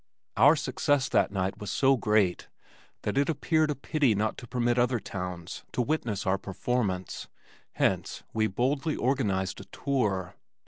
Our success that night was so great that it appeared a pity not to permit other towns to witness our performance, hence we boldly organized a "tour."